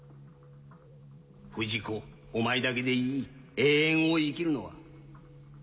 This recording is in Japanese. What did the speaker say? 不二子お前だけでいい永遠を生きるのは。